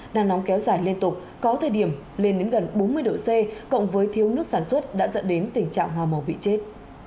nắng nóng kéo dài liên tục có thời điểm lên đến gần bốn mươi độ c cộng với thiếu nước sản xuất đã dẫn đến tình trạng hoa màu bị chết